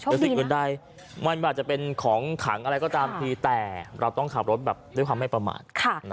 สิ่งอื่นใดไม่ว่าจะเป็นของขังอะไรก็ตามทีแต่เราต้องขับรถแบบด้วยความไม่ประมาท